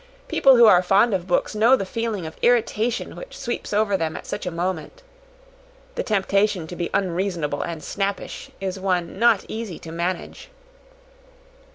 People who are fond of books know the feeling of irritation which sweeps over them at such a moment. The temptation to be unreasonable and snappish is one not easy to manage.